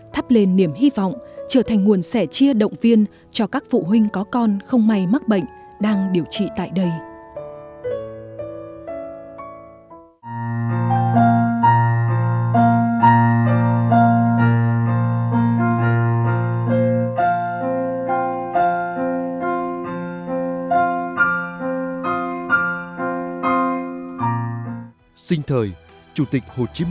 thắp lên niềm hy vọng trở thành nguồn sẻ chia động viên cho các phụ huynh có con không may mắc bệnh đang điều trị tại đây